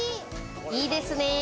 いいですね。